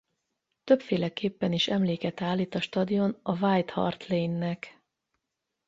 Többféleképpen is emléket állít a stadion a White Hart Lane-nek.